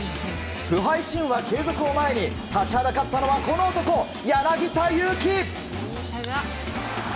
不敗神話継続を前に立ちはだかったのはこの男柳田悠岐。